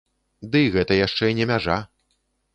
Дый гэта яшчэ не мяжа.